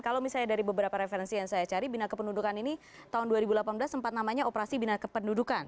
kalau misalnya dari beberapa referensi yang saya cari bina kependudukan ini tahun dua ribu delapan belas sempat namanya operasi bina kependudukan